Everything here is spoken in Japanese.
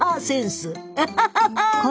アハハハ！